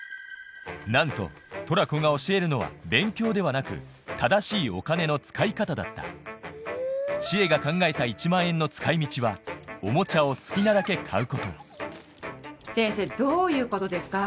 なんとトラコが教えるのは勉強ではなく正しいお金の使い方だった知恵が考えた１万円の使い道はおもちゃを好きなだけ買うこと先生どういうことですか？